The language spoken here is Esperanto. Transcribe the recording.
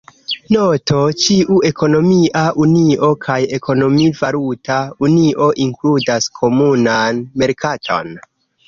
Noto: ĉiu ekonomia unio kaj ekonomi-valuta unio inkludas komunan merkaton.